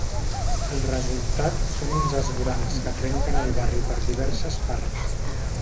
El resultat són uns esvorancs que trenquen el barri per diverses parts.